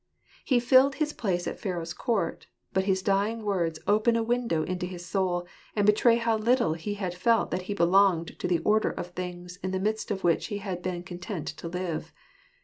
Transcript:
" He filled his place at Pharaoh's court ; but his dying words open a window into his soul, and betray how little he had felt that he belonged to the order of things in the midst of which he had been content to live.